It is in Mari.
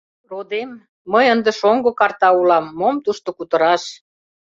— Родем, мый ынде шоҥго карта улам, мом тушто кутыраш.